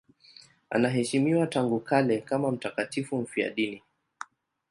Anaheshimiwa tangu kale kama mtakatifu mfiadini.